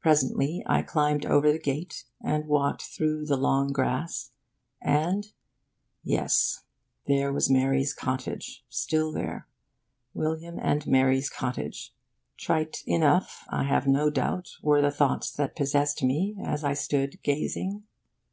Presently, I climbed over the gate, and walked through the long grass, and yes, there was Mary's cottage; still there; William's and Mary's cottage. Trite enough, I have no doubt, were the thoughts that possessed me as I stood gazing.